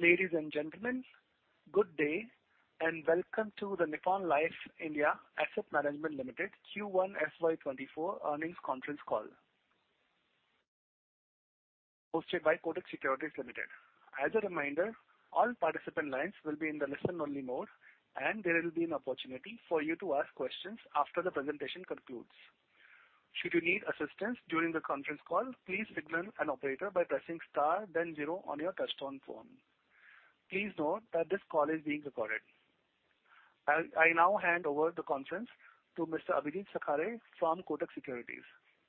Ladies and gentlemen, good day, and welcome to the Nippon Life India Asset Management Limited Q1 FY 2024 earnings conference call. Hosted by Kotak Securities Limited. As a reminder, all participant lines will be in the listen-only mode, and there will be an opportunity for you to ask questions after the presentation concludes. Should you need assistance during the conference call, please signal an operator by pressing Star, then Zero on your touchtone phone. Please note that this call is being recorded. I now hand over the conference to Mr. Abhinav Thakare from Kotak Securities.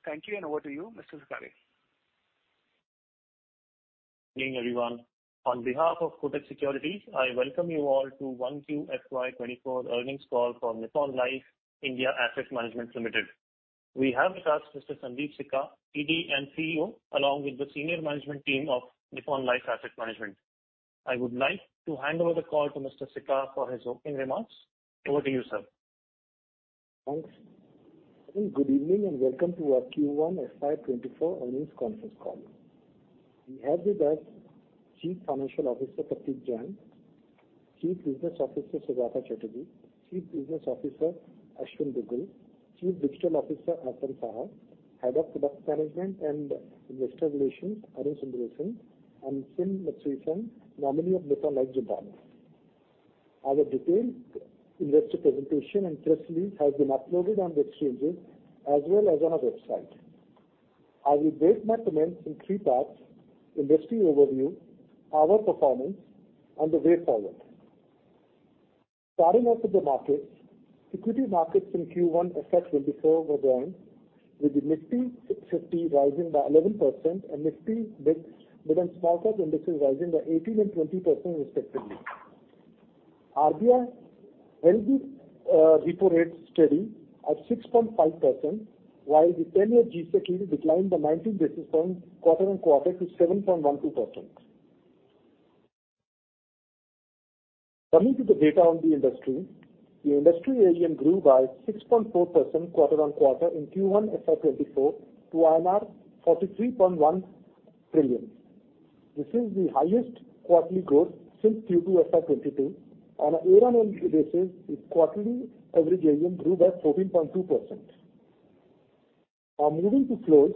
Thank you, and over to you, Mr. Thakare. Good evening, everyone. On behalf of Kotak Securities, I welcome you all to 1Q FY 2024 earnings call for Nippon Life India Asset Management Limited. We have with us Mr. Sundeep Sikka, ED and CEO, along with the senior management team of Nippon Life India Asset Management. I would like to hand over the call to Mr. Sikka for his opening remarks. Over to you, sir. Thanks. Good evening, welcome to our Q1 FY 2024 earnings conference call. We have with us Chief Financial Officer, Prateek Jain, Chief Business Officer, Saugata Chatterjee, Chief Business Officer, Aashwin Dugal, Chief Digital Officer, Arpanarghya Saha, Head of Product Management and Investor Relations, Arun Sundaresan, and Shin Matsuisan, nominee of Nippon Life Japan. Our detailed investor presentation and press release has been uploaded on the exchanges as well as on our website. I will base my comments in three parts: industry overview, our performance, and the way forward. Starting off with the markets, equity markets in Q1 FY 2024 were down, with the Nifty 50 rising by 11% and Nifty Mid and Smallcap indices rising by 18% and 20% respectively. RBI held the repo rate steady at 6.5%, while the 10-year G-Sec yield declined by 19 basis points quarter-on-quarter to 7.12%. Coming to the data on the industry, the industry AUM grew by 6.4% quarter-on-quarter in Q1 FY2024 to INR 43.1 trillion. This is the highest quarterly growth since Q2 FY2022. On a year-on-year basis, its quarterly average AUM grew by 14.2%. Moving to flows.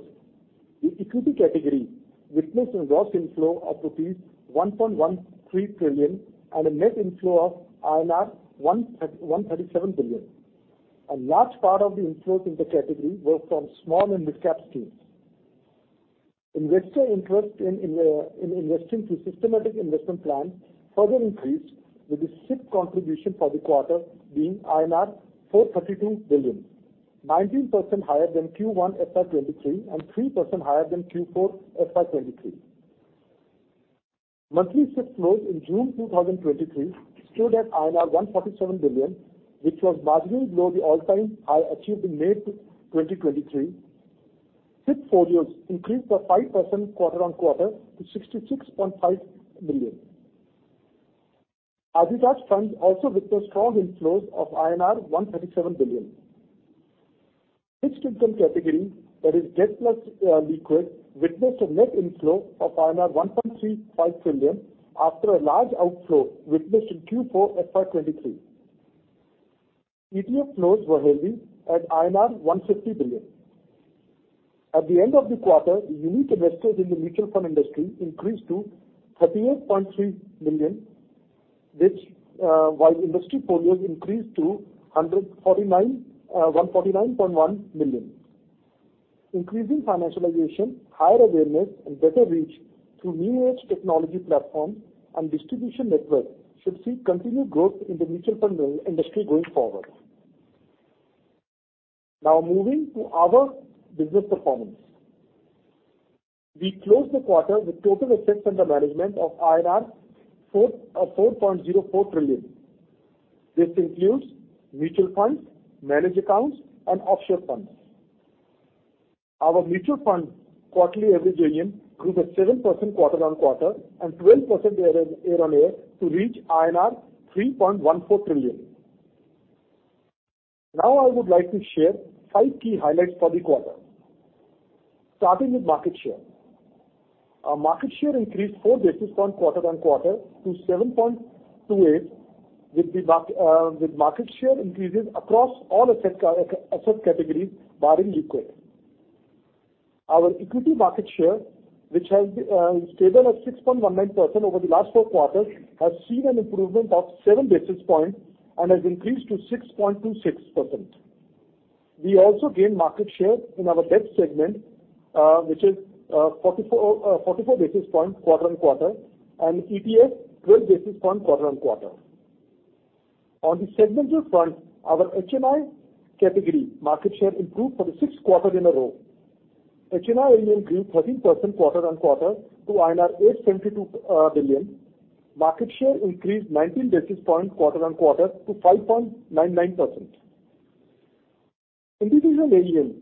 The equity category witnessed a gross inflow of rupees 1.13 trillion and a net inflow of 137 billion. A large part of the inflows in the category were from small and midcap schemes. Investor interest in investing through systematic investment plans further increased, with the SIP contribution for the quarter being INR 432 billion, 19% higher than Q1 FY 2023 and 3% higher than Q4 FY 2023. Monthly SIP flows in June 2023 stood at INR 147 billion, which was marginally below the all-time high achieved in May 2023. SIP portfolios increased by 5% quarter-on-quarter to 66.5 million. Arbitrage funds also witnessed strong inflows of INR 137 billion. Fixed income category, that is debt plus liquid, witnessed a net inflow of 1.35 trillion after a large outflow witnessed in Q4 FY 2023. ETF flows were healthy at INR 150 billion. At the end of the quarter, the unique investors in the mutual fund industry increased to 38.3 million, while industry portfolios increased to 149.1 million. Increasing financialization, higher awareness, and better reach through new age technology platforms and distribution network should see continued growth in the mutual fund industry going forward. Now moving to our business performance. We closed the quarter with total assets under management of 4.04 trillion INR. This includes mutual funds, managed accounts, and offshore funds. Our mutual fund quarterly average AUM grew by 7% quarter-on-quarter and 12% Y-o-Y to reach INR 3.14 trillion. Now, I would like to share five key highlights for the quarter. Starting with market share. Our market share increased 4 basis points quarter-on-quarter to 7.28, with the market share increases across all asset categories, barring liquid. Our equity market share, which has been stable at 6.19% over the last 4 quarters, has seen an improvement of 7 basis points and has increased to 6.26%. We also gained market share in our debt segment, which is 44 basis points quarter-on-quarter and ETF 12 basis points quarter-on-quarter. On the segmental front, our HNI category market share improved for the 6th quarter in a row. HNI AUM grew 13% quarter-on-quarter to INR 872 billion. Market share increased 19 basis points quarter-on-quarter to 5.99%. Individual AUM,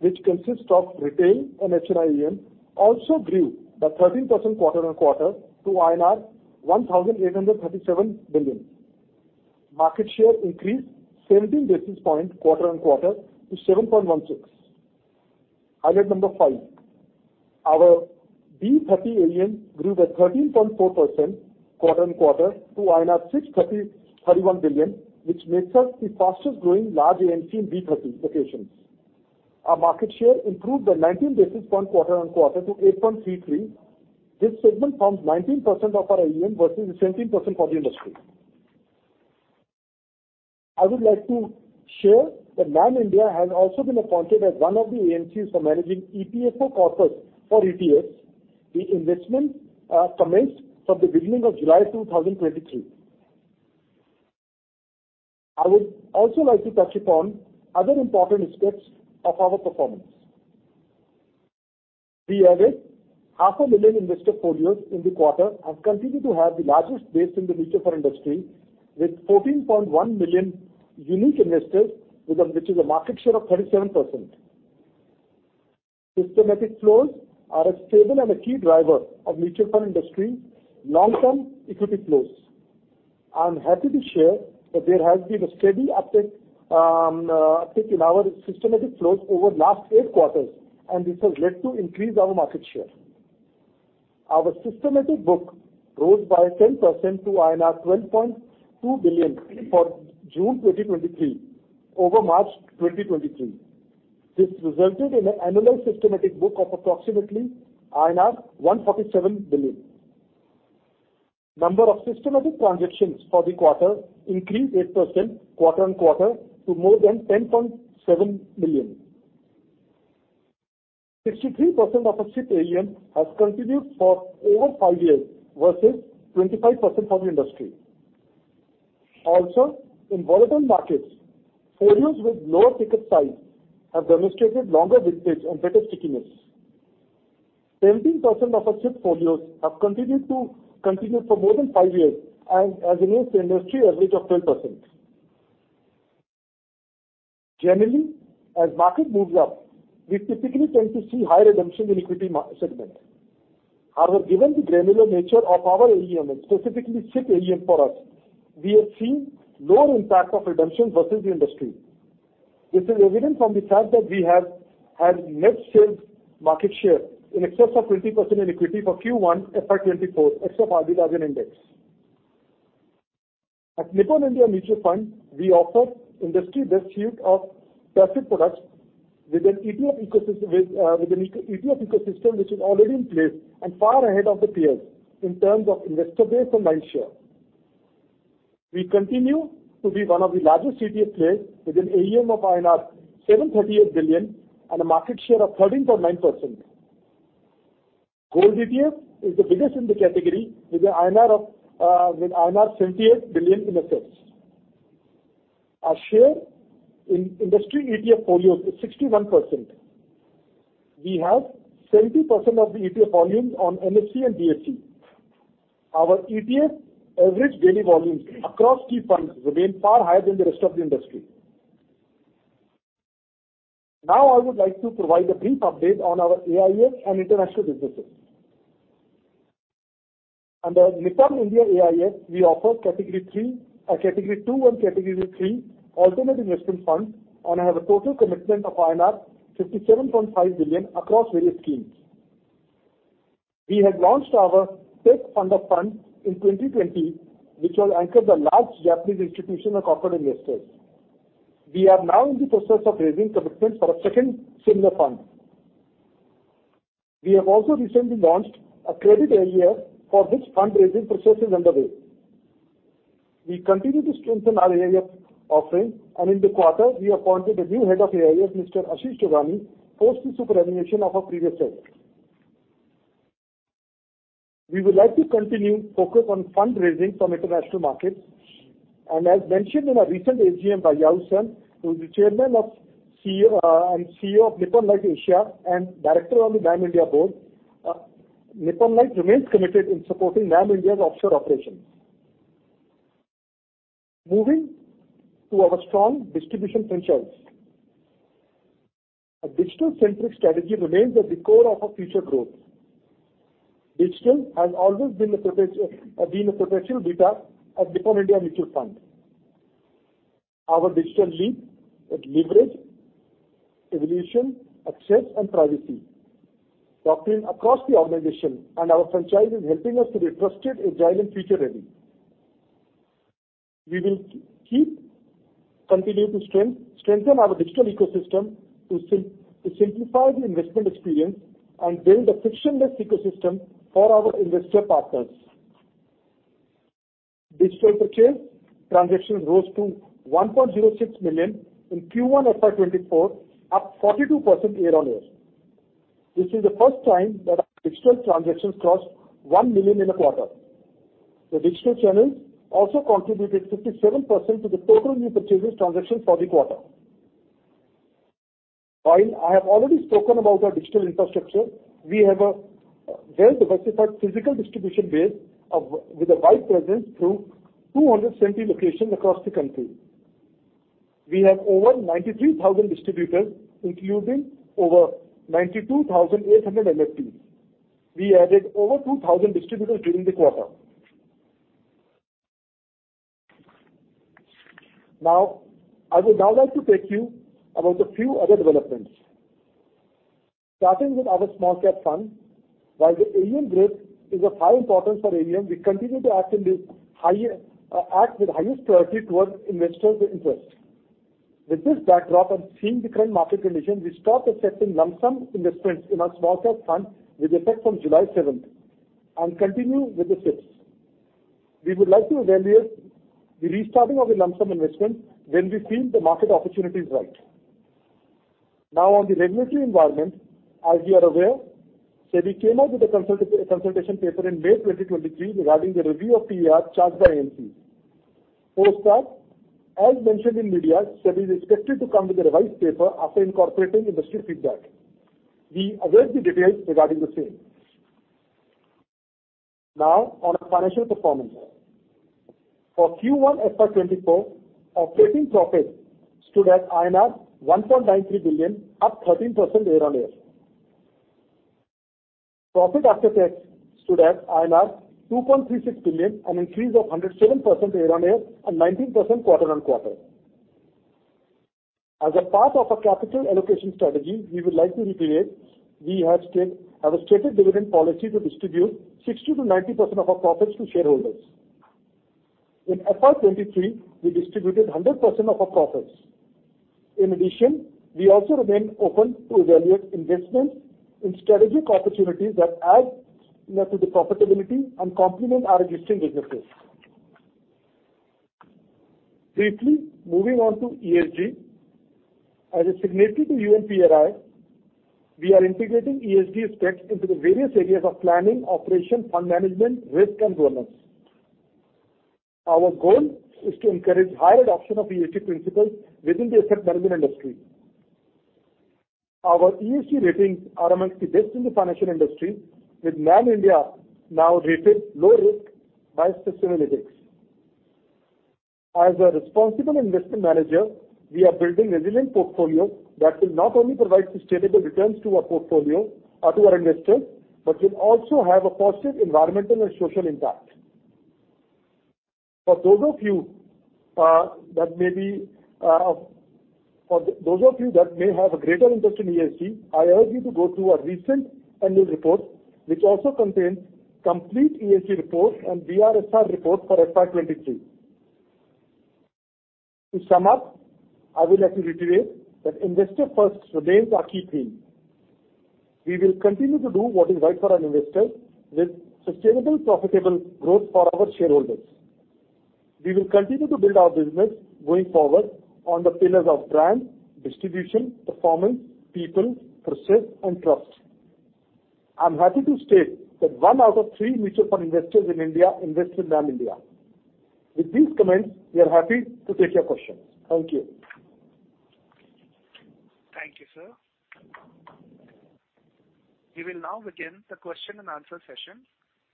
which consists of retail and HNI AUM, also grew by 13% quarter-on-quarter to INR 1,837 billion. Market share increased 17 basis points quarter-on-quarter to 7.16. Highlight number 5, our B30 AUM grew by 13.4% quarter-on-quarter to INR 631 billion, which makes us the fastest growing large AMC in B30 locations. Our market share improved by 19 basis points quarter-on-quarter to 8.33. This segment forms 19% of our AUM versus 17% for the industry. I would like to share that NAM India has also been appointed as one of the AMCs for managing EPFO corpus for ETFs. The investment commenced from the beginning of July 2023. I would also like to touch upon other important aspects of our performance. We added half a million investor portfolios in the quarter and continue to have the largest base in the mutual fund industry, with 14.1 million unique investors, which is a market share of 37%. Systematic flows are a stable and a key driver of mutual fund industry, long-term equity flows. I'm happy to share that there has been a steady uptick in our systematic flows over the last eight quarters, and this has led to increase our market share. Our systematic book rose by 10% to INR 12.2 billion for June 2023, over March 2023. This resulted in an annual systematic book of approximately INR 147 billion. Number of systematic transactions for the quarter increased 8% quarter-on-quarter to more than 10.7 million. 63% of our SIP AUM has continued for over 5 years versus 25% for the industry. In volatile markets, portfolios with lower ticket size have demonstrated longer vintage and better stickiness. 17% of our SIP portfolios have continued for more than 5 years as against the industry average of 12%. Generally, as market moves up, we typically tend to see high redemption in equity segment. Given the granular nature of our AUM, and specifically SIP AUM for us, we have seen lower impact of redemptions versus the industry. This is evident from the fact that we have had net sales market share in excess of 20% in equity for Q1 FY 2024, except equity index. At Nippon India Mutual Fund, we offer industry best yield of passive products with an ETF ecosystem which is already in place and far ahead of the peers in terms of investor base and mind share. We continue to be one of the largest ETF players with an AUM of 738 billion and a market share of 13.9%. Gold ETF is the biggest in the category with an INR of, with INR 78 billion in assets. Our share in industry ETF portfolios is 61%. We have 70% of the ETF volumes on NSE and BSE. Our ETF average daily volumes across key funds remain far higher than the rest of the industry. I would like to provide a brief update on our AIF and international businesses. Under Nippon India AIF, we offer Category three, Category two and Category three alternative investment funds and have a total commitment of INR 57.5 billion across various schemes. We had launched our tech fund of funds in 2020, which was anchored by large Japanese institutional corporate investors. We are now in the process of raising commitments for a second similar fund. We have also recently launched a credit AIF for which fundraising process is underway. We continue to strengthen our AIF offering, and in the quarter, we appointed a new head of AIF, Mr. Ashish Chuggani, post the superannuation of our previous head. We would like to continue focus on fundraising from international markets, and as mentioned in our recent AGM by Tomohiro Yao, who is the Chairman of CEO, and CEO of Nippon Life Asia and director on the NAM India board, Nippon Life remains committed in supporting NAM India's offshore operations. Moving to our strong distribution franchise. A digital-centric strategy remains at the core of our future growth. Digital has always been a potential beta at Nippon India Mutual Fund. Our digital lead that leverage evolution, access and privacy, doctrine across the organization and our franchise is helping us to be trusted, agile, and future ready. We will keep continuing to strengthen our digital ecosystem to simplify the investment experience and build a frictionless ecosystem for our investor partners. Digital purchase transactions rose to 1.06 million in Q1 FY2024, up 42% year-on-year. This is the first time that our digital transactions crossed 1 million in a quarter. The digital channels also contributed 57% to the total new purchases transactions for the quarter. While I have already spoken about our digital infrastructure, we have a well-diversified physical distribution base with a wide presence through 270 locations across the country. We have over 93,000 distributors, including over 92,800 MFDs. We added over 2,000 distributors during the quarter. I would now like to take you about a few other developments. Starting with our small cap fund, while the AUM growth is of high importance for AUM, we continue to act with highest priority towards investors' interest. With this backdrop, seeing the current market condition, we stopped accepting lump sum investments in our small cap fund with effect from July seventh, and continue with the SIPs. We would like to evaluate the restarting of the lump sum investment when we feel the market opportunity is right. On the regulatory environment, as you are aware, SEBI came out with a consultation paper in May 2023 regarding the review of TER charged by AMCs. Post that, as mentioned in media, SEBI is expected to come with a revised paper after incorporating industry feedback. We await the details regarding the same. On our financial performance. For Q1 FY 2024, operating profit stood at INR 1.93 billion, up 13% year-on-year. Profit after tax stood at INR 2.36 billion, an increase of 107% year-on-year and 19% quarter-on-quarter. As a part of our capital allocation strategy, we would like to reiterate, we have a stated dividend policy to distribute 60%-90% of our profits to shareholders. In FY 2023, we distributed 100% of our profits. In addition, we also remain open to evaluate investments in strategic opportunities that add to the profitability and complement our existing businesses. Briefly moving on to ESG. As a signatory to UN PRI, we are integrating ESG aspects into the various areas of planning, operation, fund management, risk and governance. Our goal is to encourage higher adoption of ESG principles within the asset management industry. Our ESG ratings are amongst the best in the financial industry, with NAM India now rated low risk by Sustainalytics. As a responsible investment manager, we are building resilient portfolio that will not only provide sustainable returns to our portfolio or to our investors, but will also have a positive environmental and social impact. For those of you that may have a greater interest in ESG, I urge you to go through our recent annual report, which also contains complete ESG report and BRSR report for FY 23. To sum up, I would like to reiterate that investor first remains our key theme. We will continue to do what is right for our investors with sustainable, profitable growth for our shareholders. We will continue to build our business going forward on the pillars of brand, distribution, performance, people, process, and trust. I'm happy to state that one out of three mutual fund investors in India invest with NAM India. With these comments, we are happy to take your questions. Thank you. Thank you, sir. We will now begin the question-and-answer session.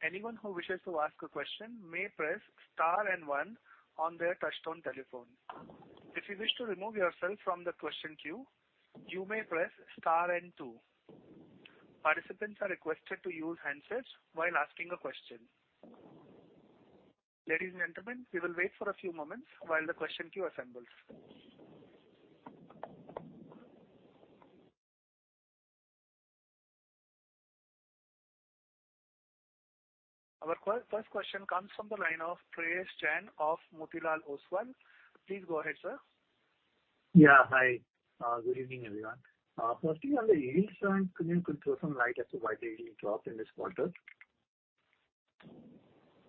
Anyone who wishes to ask a question may press star and 1 on their touchtone telephone. If you wish to remove yourself from the question queue, you may press star and 2. Participants are requested to use handsets while asking a question. Ladies and gentlemen, we will wait for a few moments while the question queue assembles. Our first question comes from the line of Paresh Jain of Motilal Oswal. Please go ahead, sir. Hi, good evening, everyone. Firstly, on the yield front, can you throw some light as to why the yield dropped in this quarter?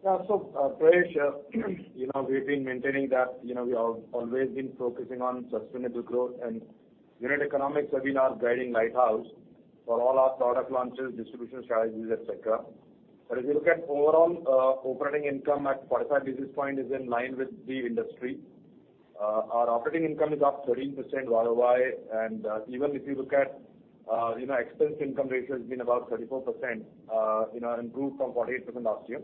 Yeah. Prayesh, you know, we've been maintaining that, you know, we have always been focusing on sustainable growth and unit economics have been our guiding lighthouse for all our product launches, distribution strategies, et cetera. If you look at overall operating income at 45 basis points is in line with the industry. Our operating income is up 13% Y-o-Y and even if you look at expense income ratio has been about 34%, you know, improved from 48% last year.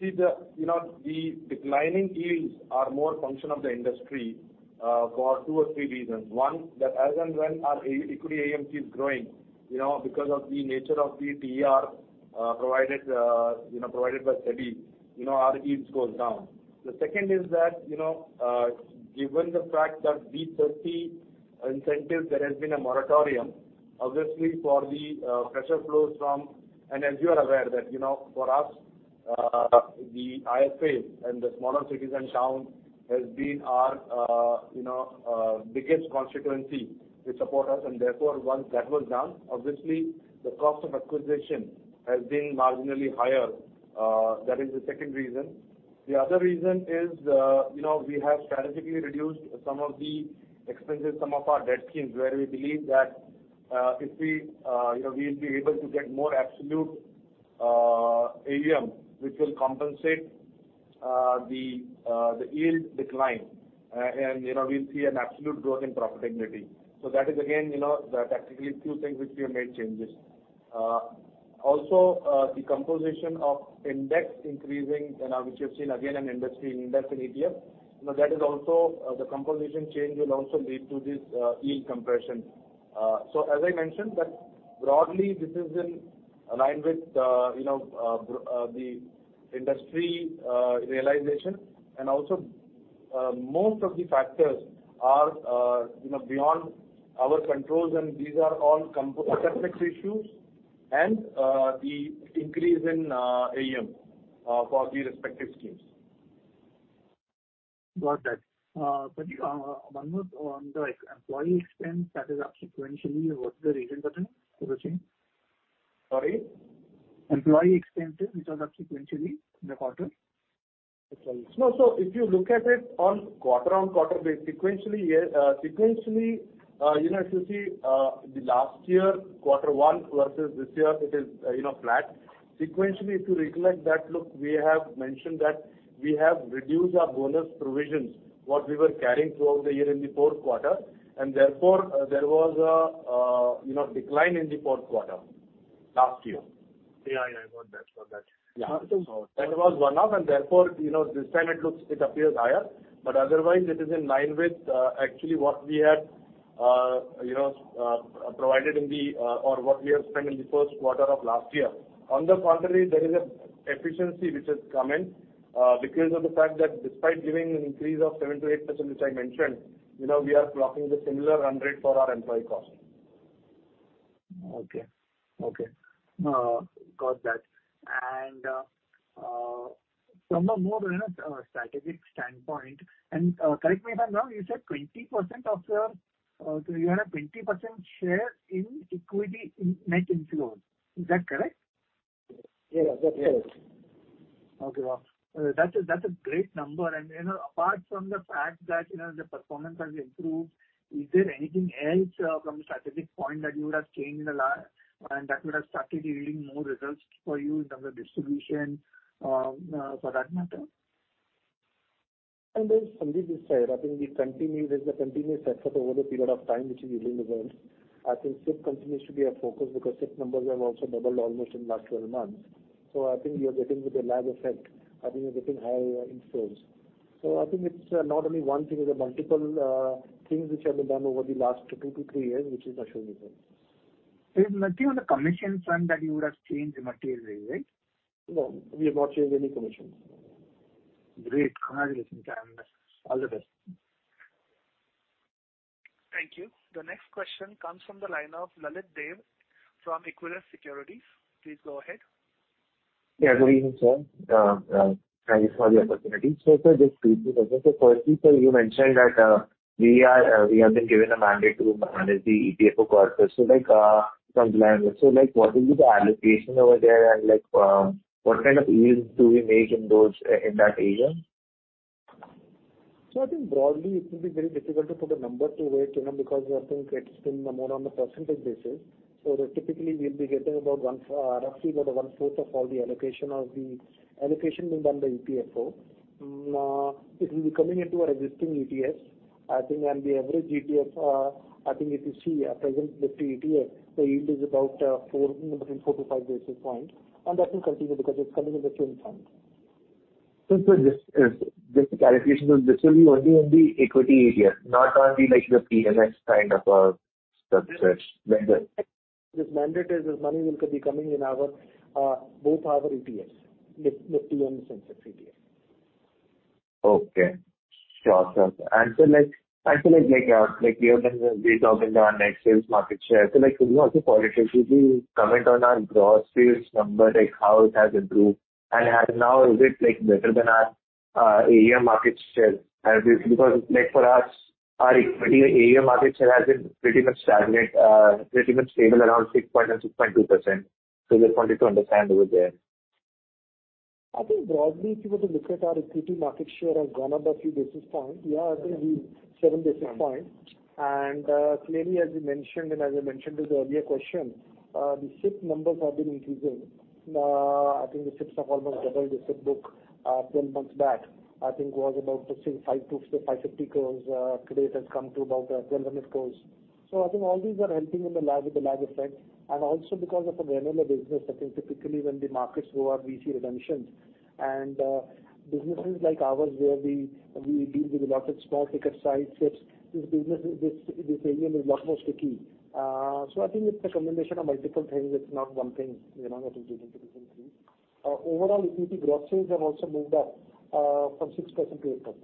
See the, you know, the declining yields are more function of the industry for 2 or 3 reasons. One, that as and when our equity AUM is growing, you know, because of the nature of the TER provided by SEBI, you know, our yields goes down. The second is that, you know, given the fact that B30 incentives, there has been a moratorium, obviously, for the fresher flows from. As you are aware that, you know, for us, the IFA and the smaller cities and towns has been our, you know, biggest constituency, which support us, and therefore, once that was done, obviously the cost of acquisition has been marginally higher. That is the second reason. The other reason is, you know, we have strategically reduced some of the expenses, some of our debt schemes, where we believe that, if we, you know, we'll be able to get more absolute AUM, which will compensate the yield decline, and, you know, we'll see an absolute growth in profitability. That is again, you know, the technically two things which we have made changes.... also, the composition of index increasing and which you've seen again in industry index in ETF, you know, that is also, the composition change will also lead to this, yield compression. As I mentioned, that broadly this is in line with, you know, the industry realization, and also, most of the factors are, you know, beyond our controls, and these are all asset mix issues and, the increase in AUM for the respective schemes. Got that. Sanjeev, one more on the employee expense that is up sequentially. What's the reason for the change? Sorry? Employee expenses, which are up sequentially in the quarter. If you look at it on quarter-on-quarter base, sequentially, you know, if you see, the last year, quarter one versus this year, it is, you know, flat. Sequentially, if you recollect that, look, we have mentioned that we have reduced our bonus provisions, what we were carrying throughout the year in the fourth quarter, and therefore, there was a, you know, decline in the fourth quarter last year. Yeah, yeah, I got that. Got that. Yeah. That was one-off, and therefore, you know, this time it looks, it appears higher, but otherwise it is in line with, actually what we had, you know, provided in the, or what we have spent in the first quarter of last year. On the contrary, there is a efficiency which has come in, because of the fact that despite giving an increase of 7%-8%, which I mentioned, you know, we are blocking the similar run rate for our employee cost. Okay. Okay. got that. From a more, you know, strategic standpoint, and, correct me if I'm wrong, you said 20% of your, you had a 20% share in equity in net inflows. Is that correct? Yeah, that's correct. Okay, wow! That's a great number. You know, apart from the fact that, you know, the performance has improved, is there anything else from a strategic point that you would have changed in the last and that would have strategically more results for you in terms of distribution for that matter? There's Sundeep this side. I think we continue with the continuous effort over the period of time, which is yielding results. I think SIP continues to be our focus because SIP numbers have also doubled almost in last 12 months. I think you're getting with the lag effect, I think you're getting higher inflows. I think it's not only one thing, it's multiple things which have been done over the last two to three years, which is now showing results. There's nothing on the commission front that you would have changed materially, right? No, we have not changed any commissions. Great. Congratulations, and all the best. Thank you. The next question comes from the line of Lalit Dev from Equirus Securities. Please go ahead. Good evening, sir. Thank you for the opportunity. Sir, just quickly, so firstly, sir, you mentioned that we are, we have been given a mandate to manage the EPF corpus. Like, from language, like, what will be the allocation over there, and like, what kind of yields do we make in that area? I think broadly, it will be very difficult to put a number to it, you know, because I think it's been more on a percentage basis. Typically, we'll be getting about one, roughly about one-fourth of all the allocation being done by EPFO. It will be coming into our existing ETFs, I think, and the average ETF, I think if you see our present Nifty ETF, the yield is about, 4, between 4 to 5 basis points, and that will continue because it's coming in the same fund. Sir, just a clarification, so this will be only in the equity area, not on the, like, the PMS kind of, structure? This mandate is, this money will be coming in our, both our ETFs, Nifty and Sensex ETF. Okay. Sure. Like, like we have been talking about our next sales market share. Like, could you also qualitatively comment on our gross sales number, like how it has improved, and as now, is it, like, better than our AUM market share? Because like for us, our equity AUM market share has been pretty much stagnant, pretty much stable around 6.1% and 6.2%. Just wanted to understand over there. I think broadly, if you were to look at our equity market share has gone up a few basis points. I think 7 basis points. Clearly, as you mentioned, and as I mentioned in the earlier question, the SIP numbers have been increasing. I think the SIPs have almost doubled. The SIP book, 12 months back, I think, was about the same, 500-550 crore. Today it has come to about 1,200 crore. I think all these are helping in the lag effect, and also because of the nature of the business, I think typically when the markets go up, we see redemptions. Businesses like ours, where we deal with a lot of small ticket size SIPs, this area is lot more sticky. I think it's a combination of multiple things. It's not one thing, you know, that is leading to this increase. Overall, equity growth sales have also moved up from 6% to 8%.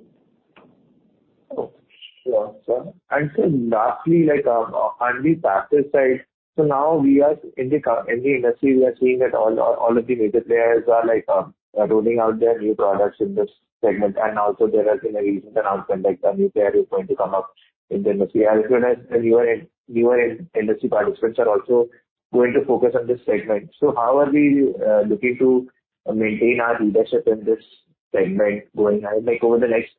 Okay. Sure, sir. Lastly, like, on the passive side, now we are in the industry, we are seeing that all of the major players are like, rolling out their new products in this segment. Also there are, you know, recent announcement, like a new player is going to come up in the industry, as well as newer industry participants are also going to focus on this segment. How are we, looking to maintain our leadership in this segment going ahead, like over the next,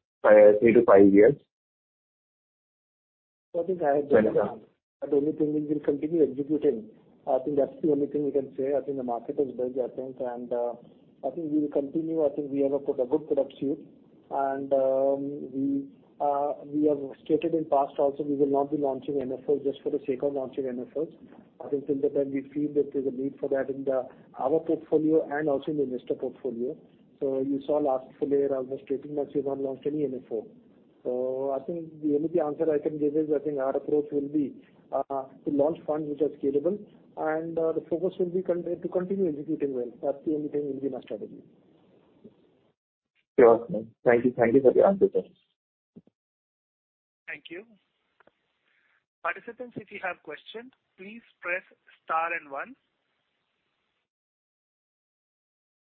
three to five years? I think the only thing we will continue executing. I think that's the only thing we can say. I think the market has built our strength. I think we will continue. I think we have a good product suite. We have stated in past also, we will not be launching NFO just for the sake of launching NFOs. I think till the time we feel that there's a need for that in the, our portfolio and also in the investor portfolio. You saw last full year, I was stating that we've not launched any NFO. I think the only answer I can give is, I think our approach will be to launch funds which are scalable. The focus will be to continue executing well. That's the only thing will be my strategy. Sure, thank you. Thank you for the answer, sir. Thank you. Participants, if you have questions, please press star and one.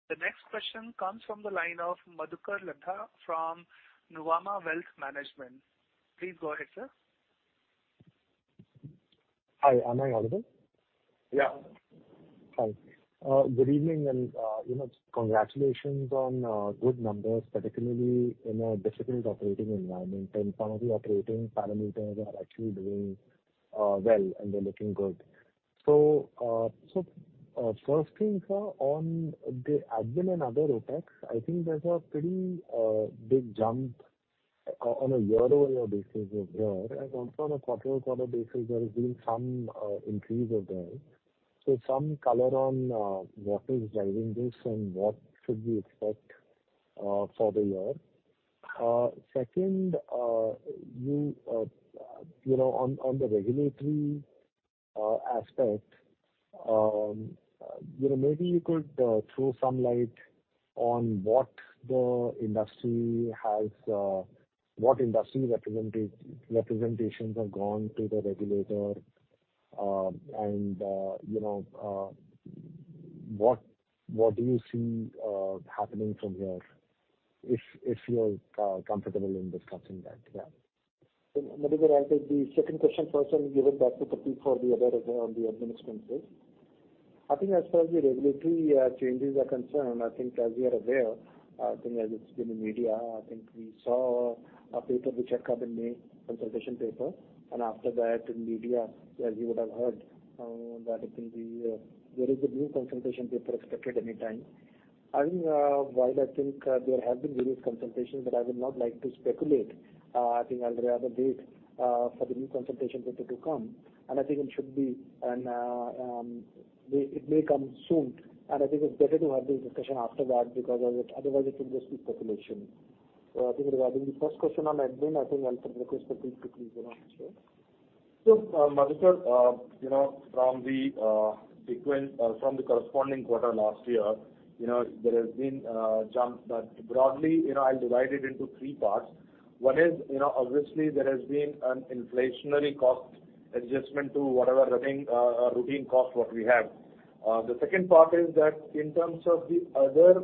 The next question comes from the line of Madhukar Ladha from Nuvama Wealth Management. Please go ahead, sir. Hi, am I audible? Yeah. Hi. Good evening, you know, congratulations on good numbers, particularly in a difficult operating environment, some of the operating parameters are actually doing well, and they're looking good. First thing, sir, on the admin and other OpEx, I think there's a pretty big jump on a year-over-year basis over here, also on a quarter-over-quarter basis, there has been some increase over there. Some color on what is driving this and what should we expect for the year? Second, you know, on the regulatory aspect, you know, maybe you could throw some light on what the industry has, what industry representations have gone to the regulator, and, you know, what do you see happening from here, if you're comfortable in discussing that? Yeah. Madhukar Ladha, I'll take the second question first and give it back to Pradeep for the other on the admin expenses. I think as far as the regulatory changes are concerned, I think as you are aware, I think as it's been in media, I think we saw a paper which had come in May, consultation paper, and after that in media, as you would have heard. There is a new consultation paper expected anytime. I think while I think there have been various consultations, but I would not like to speculate, I think I'll rather wait for the new consultation paper to come, and I think it should be, and it may come soon, and I think it's better to have this discussion after that, because otherwise it will just be speculation. I think regarding the first question on admin, I think I'll request Pradeep to please answer. Madhukar, you know, from the sequence or from the corresponding quarter last year, you know, there has been a jump. Broadly, you know, I'll divide it into three parts. One is, you know, obviously, there has been an inflationary cost adjustment to whatever running routine cost what we have. The second part is that in terms of the other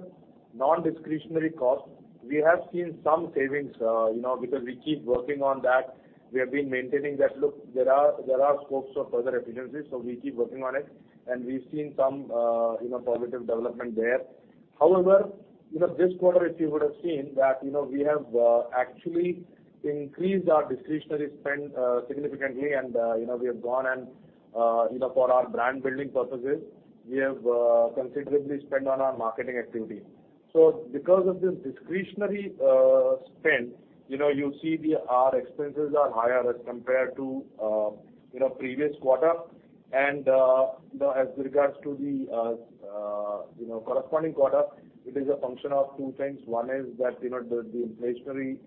non-discretionary costs, we have seen some savings, you know, because we keep working on that. We have been maintaining that. Look, there are, there are scopes for further efficiencies, so we keep working on it, and we've seen some, you know, positive development there. you know, this quarter, if you would have seen that, you know, we have actually increased our discretionary spend significantly, and, you know, we have gone and, you know, for our brand building purposes, we have considerably spent on our marketing activity. because of this discretionary spend, you know, you'll see our expenses are higher as compared to, you know, previous quarter. as regards to the, you know, corresponding quarter, it is a function of two things. One is that, you know, the inflationary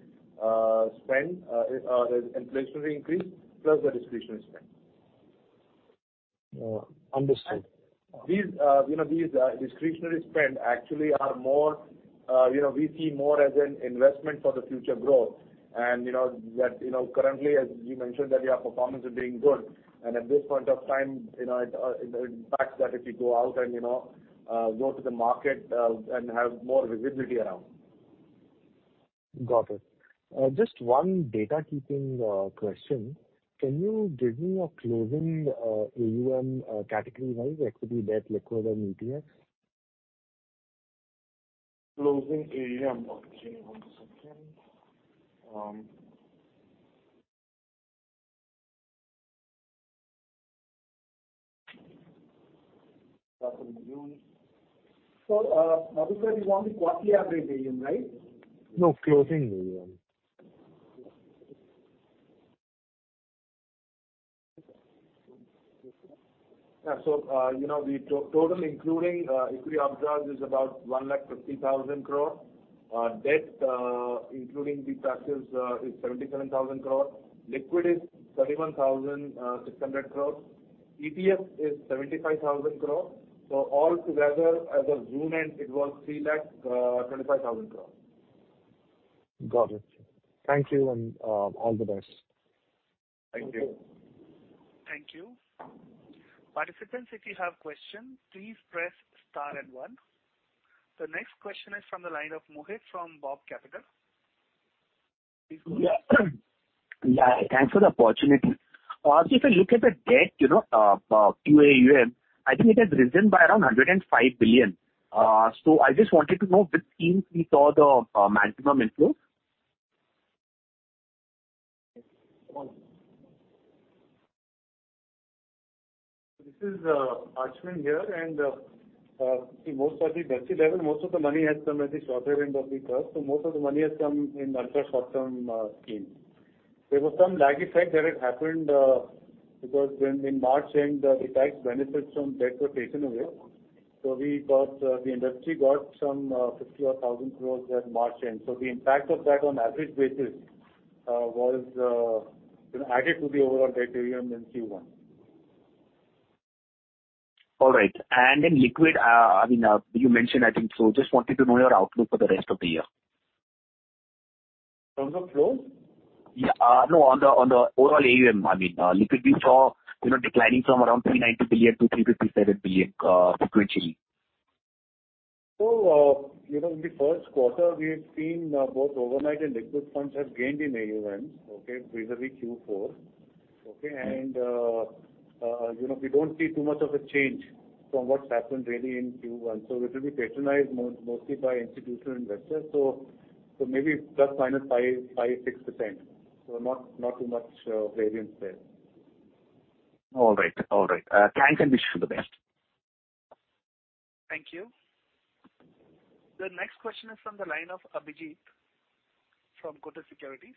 spend, the inflationary increase, plus the discretionary spend. understood. These, you know, these discretionary spend actually are more, you know, we see more as an investment for the future growth. You know, that, you know, currently, as you mentioned, that our performance is doing good, and at this point of time, you know, it impacts that if you go out and, you know, go to the market, and have more visibility around. Got it. Just 1 data keeping question. Can you give me a closing AUM, category-wise, equity, debt, liquid, and ETF? Closing AUM. Okay, one second. Sir, Madhukar, you want the quarterly average AUM, right? No, closing AUM. Yeah. you know, the total, including equity arbitrage, is about 150,000 crore. Debt, including the trustees, is 77,000 crore. Liquid is 31,600 crore. ETF is 75,000 crore. All together, as of June end, it was 325,000 crore. Got it. Thank you, and all the best. Thank you. Thank you. Participants, if you have questions, please press star and 1. The next question is from the line of Mohit from BOB Capital. Yeah. Yeah, thanks for the opportunity. If you look at the debt, you know, QAUM, I think it has risen by around 105 billion. I just wanted to know which teams we saw the maximum inflow? This is Ashwin here. Most of the debt side, most of the money has come at the shorter end of the curve. Most of the money has come in ultra short-term scheme. There was some lag effect that had happened because when in March end, the tax benefits from debt were taken away. We got, the industry got some 50,000 crore at March end. The impact of that on average basis, was added to the overall debt AUM in Q1. All right. In liquid, I mean, you mentioned, I think so just wanted to know your outlook for the rest of the year? Terms of flow? Yeah. No, on the, on the overall AUM, I mean, liquid, we saw, you know, declining from around 390 billion to 357 billion, sequentially. you know, in the first quarter, we've seen both overnight and liquid funds have gained in AUMs, okay. Vis-a-vis Q4. you know, we don't see too much of a change from what's happened really in Q1. It will be patronized mostly by institutional investors. maybe plus minus 5-6%. Not too much variance there. All right. All right. Thanks, and wish you the best. Thank you. The next question is from the line of Abhijith from Kotak Securities.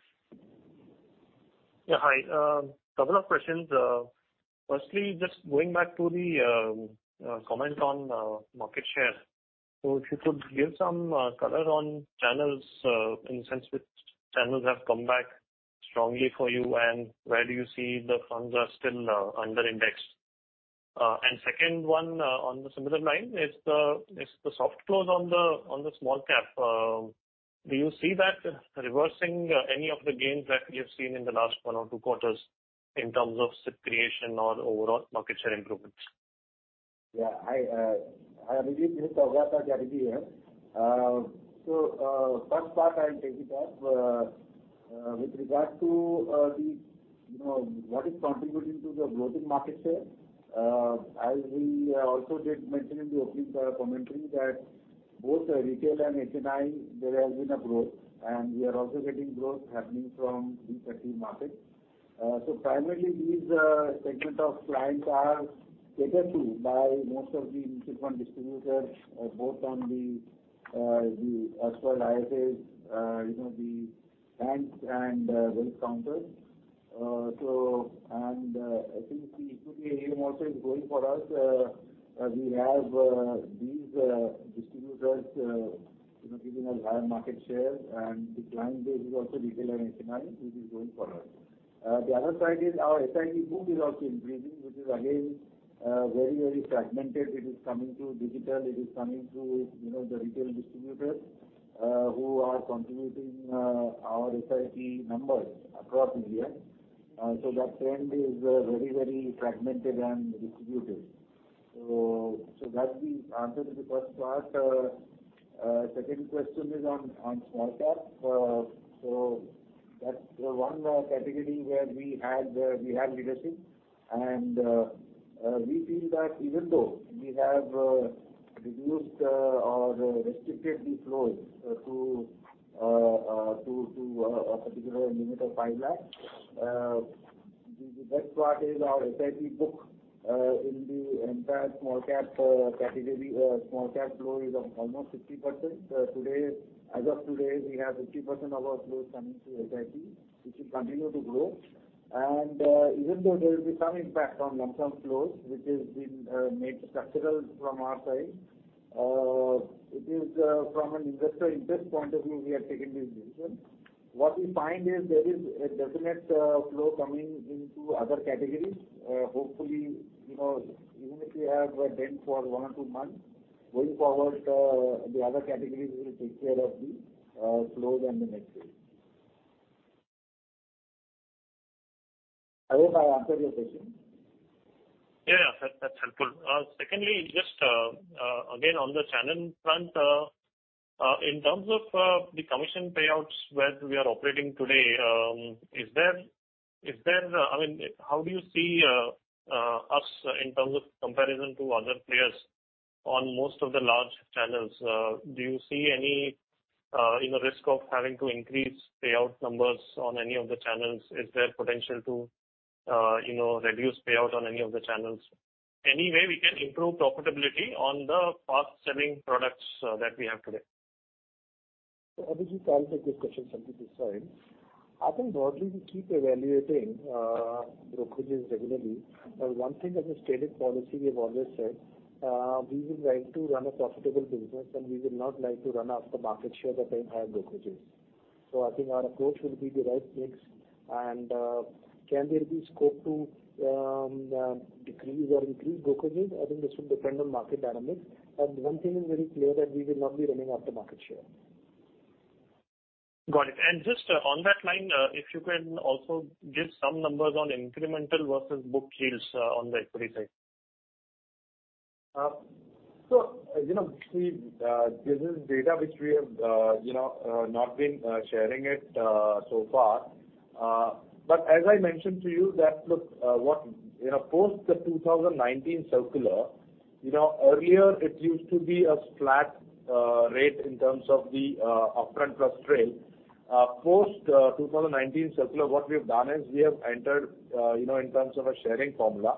Yeah, hi. Couple of questions. Firstly, just going back to the comment on market share. If you could give some color on channels, in the sense which channels have come back strongly for you, and where do you see the funds are still under index? Second one, on the similar line, is the soft close on the small cap, do you see that reversing any of the gains that we have seen in the last one or two quarters in terms of SIP creation or overall market share improvements? Yeah, I believe this is Abhijit here. First part, I'll take it up. With regard to, the, you know, what is contributing to the growth in market share, as we also did mention in the opening commentary, that both retail and HNI, there has been a growth, and we are also getting growth happening from the equity market. Primarily, these segment of clients are taken through by most of the mutual fund distributors, both on the as well as IFAs, you know, the banks and wealth counters. I think the equity AUM also is growing for us. We have these distributors, you know, giving us higher market share, and the client base is also retail and HNI, which is growing for us. The other side is our SIP book is also increasing, which is again, very, very fragmented. It is coming through digital, it is coming through, you know, the retail distributors, who are contributing, our SIP numbers across India. That trend is very, very fragmented and distributed. That's the answer to the first part. Second question is on small cap. That's the one category where we had, we have leadership. We feel that even though we have reduced or restricted the flows to a particular limit of 5 lakh, the best part is our SIP book in the entire small cap category, small cap flow is of almost 50%. As of today, we have 50% of our flows coming through SIP, which will continue to grow. Even though there will be some impact on lump sum flows, which has been made structural from our side, it is from an investor interest point of view, we have taken this decision. What we find is there is a definite flow coming into other categories. Hopefully, you know, even if we have a dent for one or two months, going forward, the other categories will take care of the flows and the mix. I hope I answered your question. ul. Secondly, just again, on the channel front, in terms of the commission payouts where we are operating today, is there... I mean, how do you see us in terms of comparison to other players on most of the large channels? Do you see any, you know, risk of having to increase payout numbers on any of the channels? Is there potential to, you know, reduce payout on any of the channels? Any way we can improve profitability on the fast-selling products that we have today Abhijit, I'll take this question from this side. I think broadly, we keep evaluating brokerages regularly. One thing as a stated policy, we have always said, we would like to run a profitable business, and we would not like to run up the market share at the entire brokerages. I think our approach will be the right mix. Can there be scope to decrease or increase brokerages? I think this would depend on market dynamics. One thing is very clear, that we will not be running up the market share. Got it. Just on that line, if you can also give some numbers on incremental versus book deals, on the equity side. So, you know, we, this is data which we have, you know, not been sharing it so far. But as I mentioned to you, that look, post the 2019 circular. Earlier it used to be a flat rate in terms of the upfront plus trail. Post 2019 circular, what we have done is we have entered, you know, in terms of a sharing formula.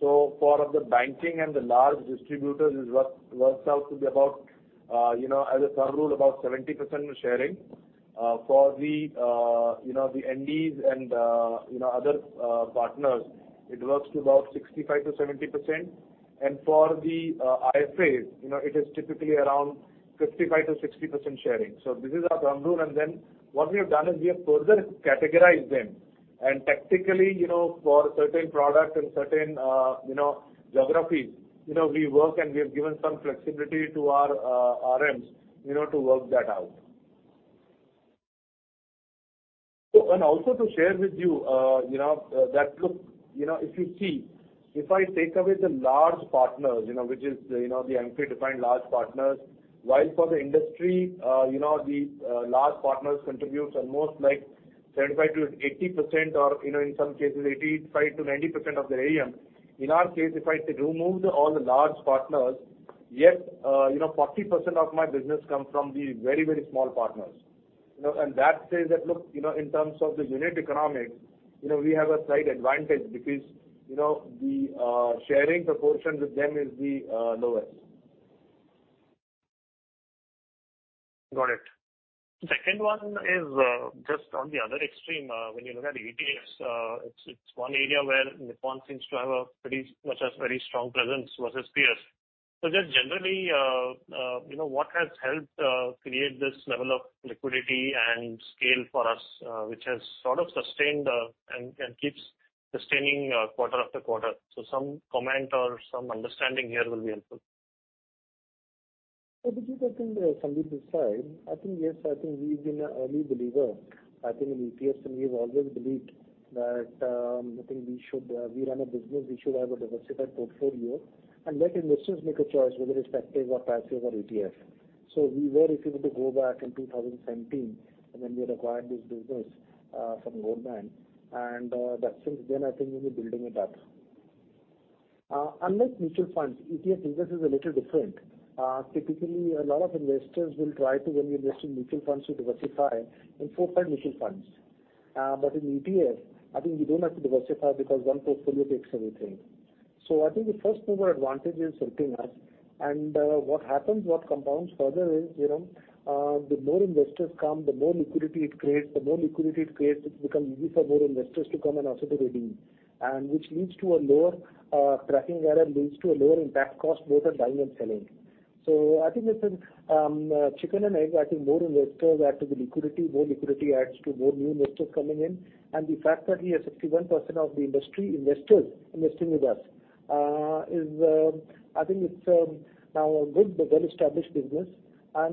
So, for the banking and the large distributors, it works out to be about, you know, as a thumb rule, about 70% sharing. For the, you know, the NDs and, you know, other partners, it works to about 65%-70%. For the IFAs, you know, it is typically around 55%-60% sharing. This is our thumb rule. What we have done is we have further categorized them. Tactically, you know, for certain products and certain, you know, geographies, you know, we work and we have given some flexibility to our RMs, you know, to work that out. To share with you know, that look, you know, if you see, if I take away the large partners, you know, which is, you know, the AMFI-defined large partners, while for the industry, you know, the large partners contributes almost like 75%-80% or, you know, in some cases, 85%-90% of their AUM. In our case, if I remove all the large partners, yet, you know, 40% of my business comes from the very small partners. You know, that says that, look, you know, in terms of the unit economics, you know, we have a slight advantage because, you know, the sharing proportion with them is the lowest. Got it. Second one is just on the other extreme. When you look at ETFs, it's one area where Nippon seems to have a pretty much as very strong presence versus peers. Just generally, you know, what has helped create this level of liquidity and scale for us, which has sort of sustained, and keeps sustaining, quarter after quarter? Some comment or some understanding here will be helpful. Abhijit, I think, Sandip this side. I think, yes, I think we've been an early believer, I think, in ETF, and we've always believed that, I think we should, we run a business, we should have a diversified portfolio and let investors make a choice whether it's active or passive or ETF. We were, if you were to go back in 2017, and then we acquired this business from Goldman, but since then, I think we've been building it up. Unlike mutual funds, ETF business is a little different. Typically, a lot of investors will try to, when we invest in mutual funds, to diversify in four, five mutual funds. But in ETF, I think you don't have to diversify because one portfolio takes everything. I think the first mover advantage is helping us. What happens, what compounds further is, you know, the more investors come, the more liquidity it creates. The more liquidity it creates, it becomes easy for more investors to come and also to redeem. Which leads to a lower tracking error, leads to a lower impact cost, both at buying and selling. I think this is chicken and egg. I think more investors add to the liquidity. More liquidity adds to more new investors coming in. The fact that we have 61% of the industry investors investing with us is, I think it's now a good, a well-established business. I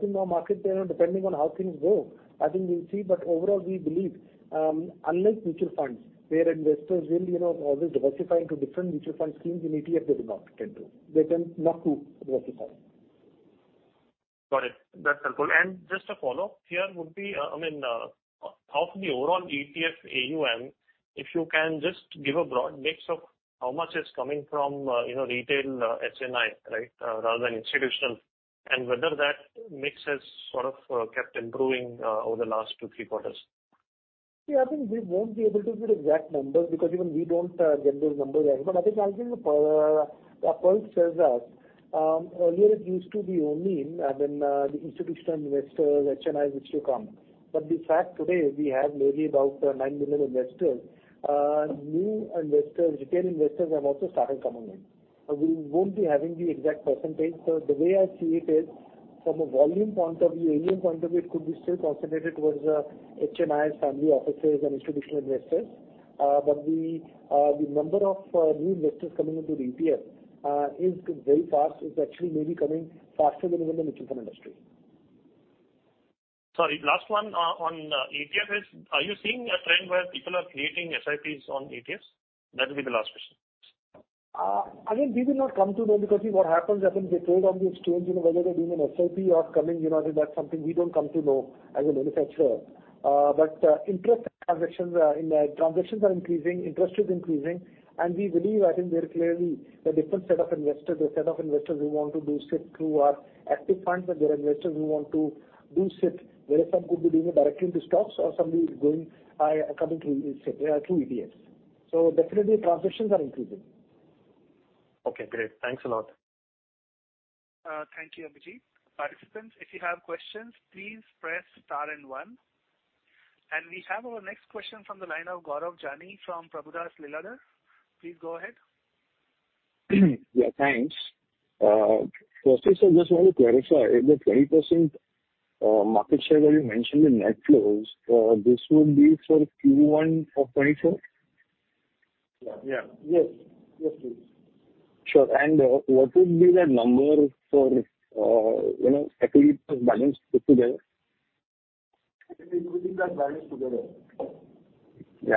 think now market, you know, depending on how things go, I think we'll see. Overall, we believe, unlike mutual funds, where investors will, you know, always diversify into different mutual fund schemes, in ETF, they do not tend to. They tend not to diversify. Got it. That's helpful. Just a follow-up here would be, I mean, of the overall ETF AUM, if you can just give a broad mix of how much is coming from, you know, retail, HNI, right, rather than institutional, and whether that mix has sort of, kept improving, over the last two, three quarters. Yeah, I think we won't be able to give the exact numbers because even we don't get those numbers. I think our pulse tells us, I mean, the institutional investors, HNIs used to come. The fact today we have maybe about 9 million investors, new investors, retail investors have also started coming in. We won't be having the exact percentage. The way I see it is from a volume point of view, AUM point of view, it could be still concentrated towards HNIs, family offices, and institutional investors. The number of new investors coming into the ETF is very fast. It's actually maybe coming faster than even the mutual fund industry. last one, on ETF is, are you seeing a trend where people are creating SIPs on ETFs? That will be the last question. I think we will not come to know, because what happens, I think they trade on the exchange, you know, whether they're doing an SIP or coming, you know, that's something we don't come to know as a manufacturer. Interest transactions, in the transactions are increasing, interest is increasing, and we believe, I think there are clearly a different set of investors. The set of investors who want to do SIP through our active funds, and there are investors who want to do SIP, whether some could be doing it directly into stocks or somebody is going by coming through ETFs. Definitely transactions are increasing. Okay, great. Thanks a lot. Thank you, Abhijit. Participants, if you have questions, please press star and one. We have our next question from the line of Gaurav Jani from Prabhudas Lilladher. Please go ahead. Yeah, thanks. Firstly, sir, just want to clarify, the 20% market share that you mentioned in net flows, this would be for Q1 of 2024? Yeah. Yes. Yes, please. Sure. What would be the number for, you know, equity plus balance put together? Equity plus balance together. Yeah.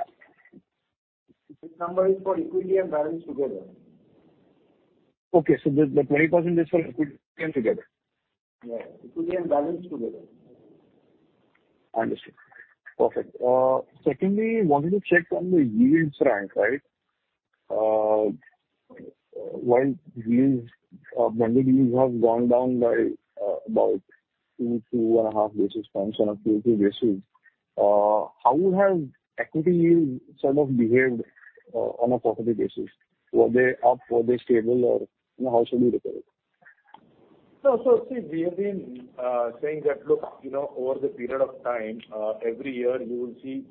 This number is for equity and balance together. Okay, the 20% is for equity and together. Yeah, equity and balance together.... Understood. Perfect. Secondly, wanted to check on the yields rank, right? While yields, money yields have gone down by about 2.5 basis points on a quarter-over-quarter basis, how has equity yield sort of behaved on a quarterly basis? Were they up, were they stable, or, you know, how should we look at it? No. See, we have been, saying that, look, you know, over the period of time, every year you will see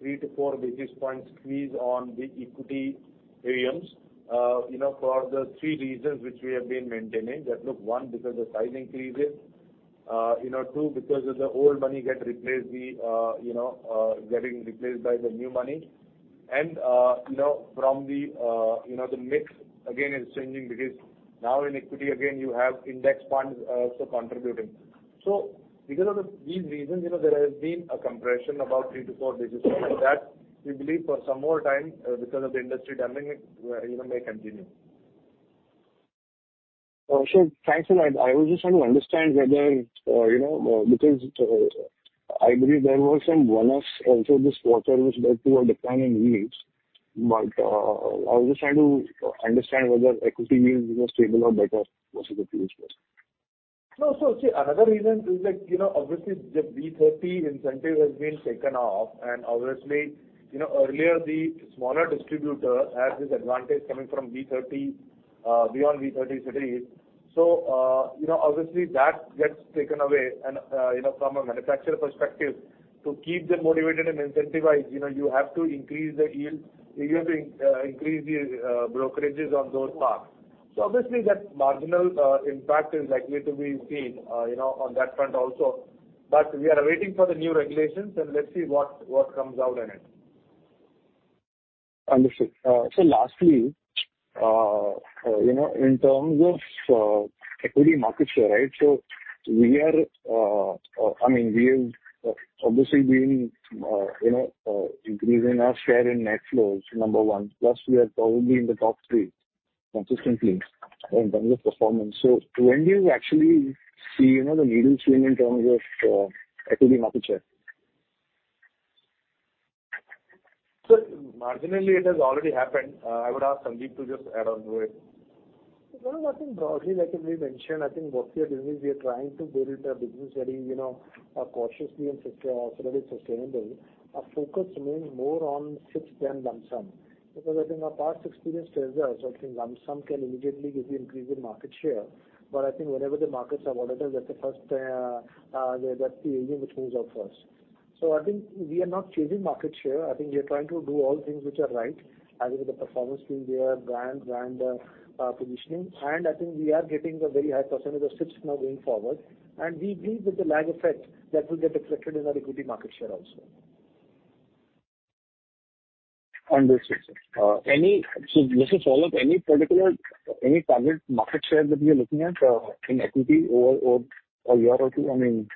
3 to 4 basis points squeeze on the equity AUMs. you know, for the 3 reasons which we have been maintaining, that look, 1, because the sizing increases, you know, 2, because of the old money get replaced, the, you know, getting replaced by the new money. From the, you know, the mix again is changing because now in equity, again, you have index funds also contributing. Because of the these reasons, you know, there has been a compression about 3 to 4 basis points, that we believe for some more time because of the industry dynamic, you know, may continue. Sure. Thanks a lot. I was just trying to understand whether, you know, because I believe there was some bonus also this quarter, which led to a decline in yields. I was just trying to understand whether equity yields were stable or better versus the previous quarter. Another reason is that, you know, obviously the B30 incentive has been taken off, obviously, you know, earlier the smaller distributor had this advantage coming from B30, beyond B30 cities. obviously that gets taken away and, you know, from a manufacturer perspective, to keep them motivated and incentivized, you know, you have to increase the yield. You have to increase the brokerages on those parts. obviously, that marginal impact is likely to be seen, you know, on that front also. We are waiting for the new regulations, and let's see what comes out in it. Understood. Lastly, you know, in terms of equity market share, right? We are, I mean, we have obviously been, you know, increasing our share in net flows, number 1, plus we are probably in the top 3 consistently in terms of performance. When do you actually see, you know, the needle swing in terms of equity market share? Marginally, it has already happened. I would ask Sandip to just add on to it. Well, I think broadly, like we mentioned, I think both the business, we are trying to build a business that is, you know, cautiously and sort of sustainable. Our focus remains more on SIPS than lump sum, I think our past experience tells us, I think lump sum can immediately give you increase in market share. I think whenever the markets are volatile, that's the first, that's the area which moves out first. I think we are not chasing market share. I think we are trying to do all things which are right, as with the performance being there, brand positioning. I think we are getting a very high % of SIPs now going forward, and we believe that the lag effect, that will get reflected in our equity market share also. Understood, sir. Just to follow up, any target market share that you're looking at, in equity or YOY, I mean?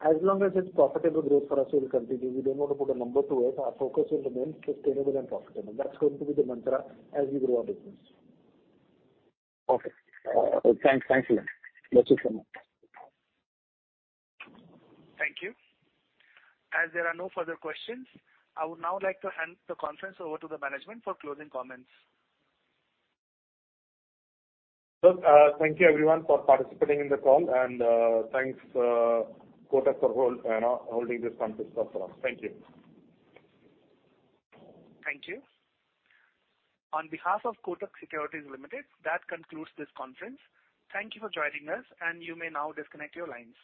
As long as it's profitable growth for us, we will continue. We don't want to put a number to it. Our focus will remain sustainable and profitable. That's going to be the mantra as we grow our business. Okay. Thanks. Thanks a lot. Let you come up. Thank you. As there are no further questions, I would now like to hand the conference over to the management for closing comments. Look, thank you everyone for participating in the call. Thanks Kotak for holding this conference so far. Thank you. Thank you. On behalf of Kotak Securities Limited, that concludes this conference. Thank you for joining us, and you may now disconnect your lines.